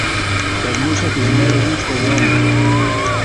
Περνούσα τις μέρες μου στο δώμα